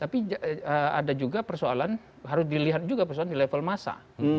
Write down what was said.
tapi ada juga persoalan harus dilihat juga persoalan di level massa